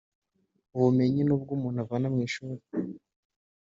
ubumenyi ni ubwo umuntu avana mu ishuri